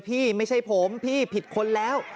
ไม่ใช่ผมพี่ผิดคนแล้ว